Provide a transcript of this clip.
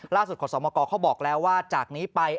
ขอสมกรเขาบอกแล้วว่าจากนี้ไป